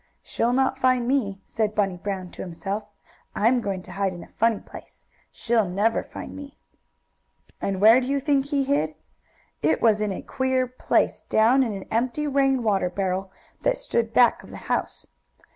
"She'll not find me," said Bunny Brown to himself. "I'm going to hide in a funny place. She'll never find me!" And where do you think he hid? It was in a queer place down in an empty rain water barrel, that stood back of the house.